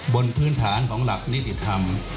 บนพื้นฐานของหลักนิติธรรม